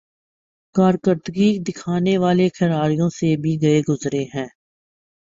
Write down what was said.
۔کارکردگی دکھانے والے کھلاڑیوں سے بھی گئے گزرے ہیں ۔